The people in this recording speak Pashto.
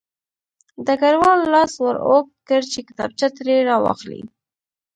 ډګروال لاس ور اوږد کړ چې کتابچه ترې راواخلي